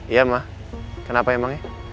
iya ma kenapa emangnya